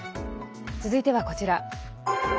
続いてはこちら。